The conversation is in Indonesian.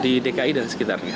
di dki dan sekitarnya